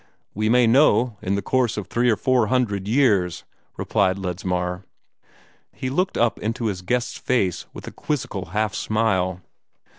"We may know in the course of three or four hundred years," replied Ledsmar. He looked up into his guest's face with a quizzical half smile.